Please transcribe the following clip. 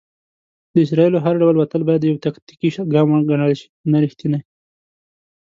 د اسرائیلو هر ډول وتل بايد يو "تاکتيکي ګام وګڼل شي، نه ريښتينی".